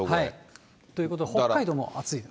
ということは、北海道も暑い。